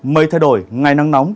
mây thay đổi ngày nắng nóng